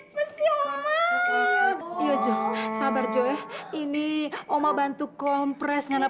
bedak dari oma bedak yang mana